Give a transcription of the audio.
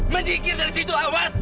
minggir dari situ awas